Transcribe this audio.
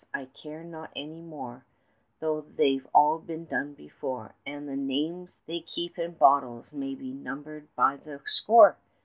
I care not any more 40 Though they've all been done before, And the names they keep in bottles may be numbered by the score!